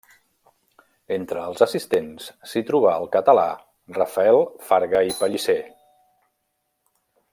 Entre els assistents s'hi trobà el català Rafael Farga i Pellicer.